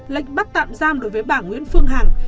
lệnh bắt tạm giam đối với bà nguyễn phương hằng